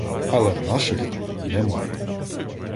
Але наших там немає.